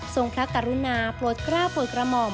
พระกรุณาโปรดกล้าโปรดกระหม่อม